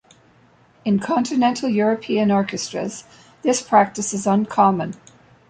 In continental European orchestras, this practice is uncommon.